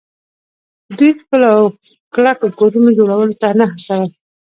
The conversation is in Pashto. دوی ښکلو او کلکو کورونو جوړولو ته نه هڅول